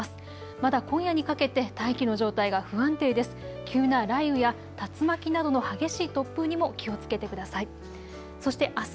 まだ今夜にかけて大気の状態が不安定です。